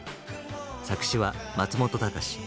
作詞は松本隆。